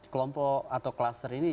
kelompok atau kluster ini